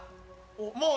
もう。